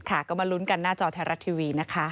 ค่ะก็มาลุ้นกันหน้าจอไทยรัฐทีวีนะคะ